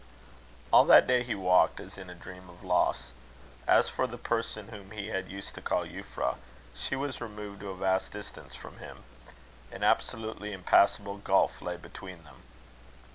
All that day he walked as in a dream of loss. As for the person whom he had used to call Euphra, she was removed to a vast distance from him. An absolutely impassable gulf lay between them.